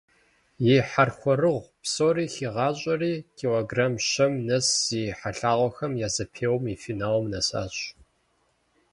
И хьэрхуэрэгъу псори хигъащӏэри, килограмми щэм нэс зи хьэлъагъхэм я зэпеуэм и финалым нэсащ.